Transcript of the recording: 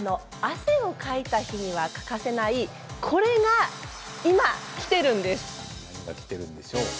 汗をかいた日に欠かせないこれが今、きているんです。